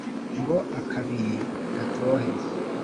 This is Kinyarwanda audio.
Ngo akabili gatohe